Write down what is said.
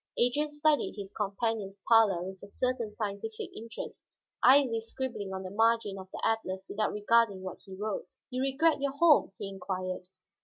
Adrian studied his companion's pallor with a certain scientific interest, idly scribbling on the margin of the atlas without regarding what he wrote. "You regret your home?" he inquired.